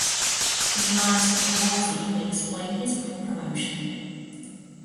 His alliance with Wolsey may explain his quick promotion.